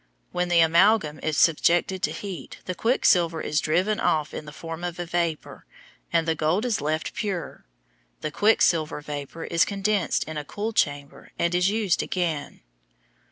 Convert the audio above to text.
When the amalgam is subjected to heat, the quicksilver is driven off in the form of a vapor, and the gold is left pure. The quicksilver vapor is condensed in a cool chamber and is used again.